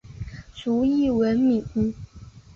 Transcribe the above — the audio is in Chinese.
卒谥文敏。